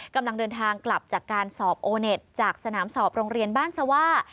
กำลังเดินทางกลับจากการสอบโอเน็ตจากสนามสอบโรงเรียนบ้านสว่า